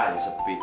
tapi tetap aja sepi